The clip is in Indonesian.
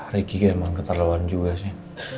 riki emang keterlaluan juga sih